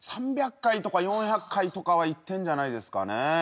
３００回とか４００回とかは行ってるんじゃないですかね？